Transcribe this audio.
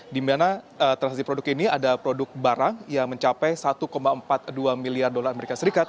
di mana transaksi produk ini ada produk barang yang mencapai satu empat puluh dua miliar dolar amerika serikat